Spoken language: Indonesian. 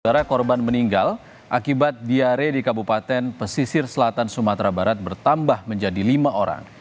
saudara korban meninggal akibat diare di kabupaten pesisir selatan sumatera barat bertambah menjadi lima orang